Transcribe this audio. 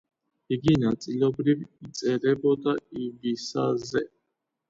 იგი ნაწილობრივ იწერებოდა ივისაზე.